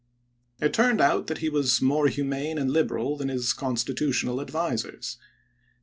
It turned out that he was more humane and liberal than his constitutional advisers.